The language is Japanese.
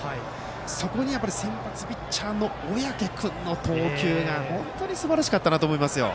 そこに先発ピッチャーの小宅君の投球が本当にすばらしかったと思います。